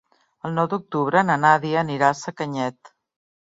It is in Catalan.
El nou d'octubre na Nàdia anirà a Sacanyet.